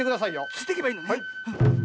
ついてけばいいのね。